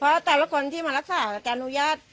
เพราะแต่ละคนที่มารักษาการอนุญาต